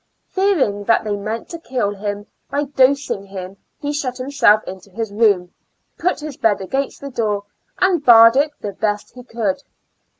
Fearing that they meant to kill him by dosing him, he shut himself into his room, put his bed against the door, and barred it IN A Lunatic Asylum, 153 the best he could.